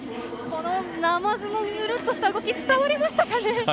このなまずのヌルッとした動き伝わりましたかね。